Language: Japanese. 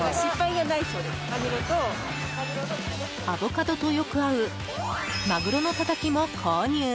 アボカドとよく合うマグロのたたきも購入。